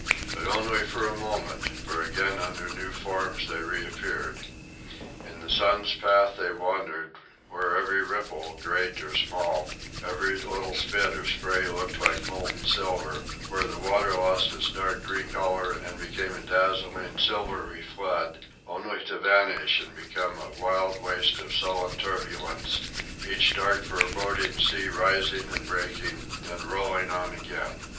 But only for a moment, for again under new forms they reappeared. In the sun's path they wandered, where every ripple, great or small, every little spit or spray looked like molten silver, where the water lost its dark green color and became a dazzling, silvery flood, only to vanish and become a wild waste of sullen turbulence, each dark foreboding sea rising and breaking, then rolling on again.